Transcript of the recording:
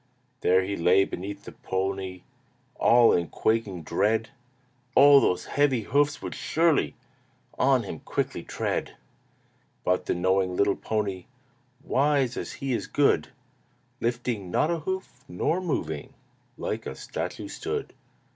There he lay beneath the pony, All in quaking dread. Oh! those heavy hoofs would surely On him quickly tread! But the knowing little pony, Wise as he is good, Lifting not a hoof, nor moving, Like a statue stood.